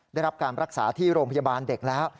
ได้รับการรักษาที่โรงพยาบาลเด็กแล้ว